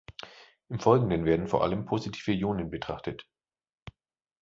Im Folgenden werden vor allem positive Ionen betrachtet.